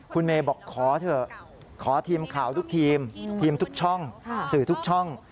คุณเมย์บอกขอเถอะขอทีมข่าวทุกทีมทีมทุกช่องสื่อทุกช่อง